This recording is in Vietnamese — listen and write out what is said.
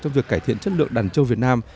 trong việc cải thiện chất lượng đàn trâu việt nam